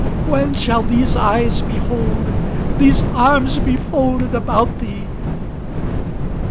When shall these eyes behold, these arms be folded about thee?"